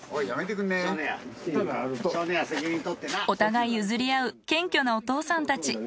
お互い譲り合う謙虚なお父さんたち。